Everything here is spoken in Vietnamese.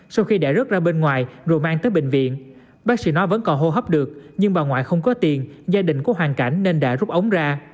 sau khi đã rớt ra bên ngoài rồi mang tới bệnh viện bác sĩ nói vẫn còn hô hấp được nhưng bà ngoại không có tiền gia đình có hoàn cảnh nên đã rút ống ra